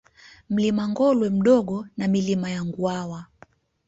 Mlima Ngolwe Mdogo na Milima ya Nguawa